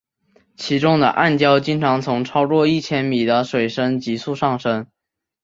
其中的暗礁经常从超过一千米的水深急速上升。